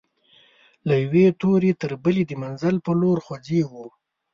له یوې توري تر بلي د منزل پر لور خوځيږو